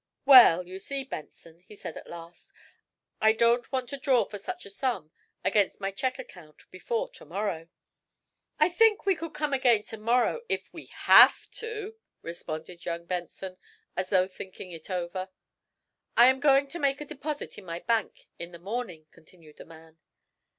"Well, you see, Benson," he said, at last, "I don't want to draw for such a sum against my check account before to morrow." "I think we could come again to morrow, if we have to," responded young Benson, as though thinking it over. "I am going to make a deposit in my bank in the morning," continued the man.